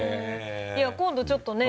いや今度ちょっとね